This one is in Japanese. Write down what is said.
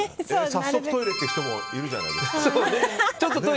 早速トイレって人もいるじゃないですか。